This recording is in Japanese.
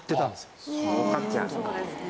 儲かっちゃう。